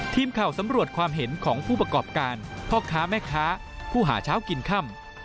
ทีมข่าวสำรวจความเห็นของผู้ประกอบการพ่อค้าแม่ค้าผู้หาเช้ากินค่ำ